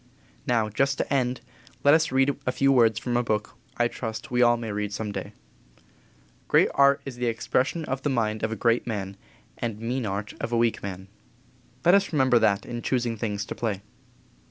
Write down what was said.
Now, just to end with let us read a few words from a book I trust we all may read some day: "Great art is the expression of the mind of a great man, and mean art of a weak man." Let us remember that in choosing things to play.